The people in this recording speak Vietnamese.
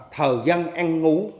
thờ dân ăn ngủ